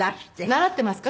習ってますか？